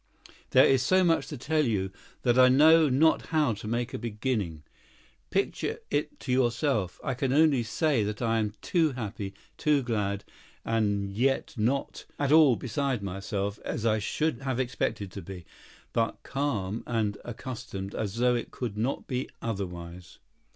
There is so much to tell you that I know not how to make a beginning. Picture it to yourself. I can only say that I am too happy, too glad; and yet not at all beside myself, as I should have expected to be, but calm and accustomed, as though it could not be otherwise.